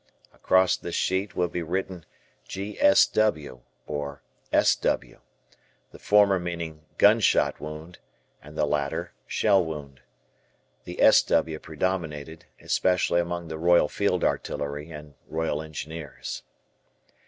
Across this sheet would be written "G.S.W." or "S.W." the former meaning Gun Shot Wound and the latter Shell Wound. The "S.W." predominated, especially among the Royal Field Artillery and Royal Engineers.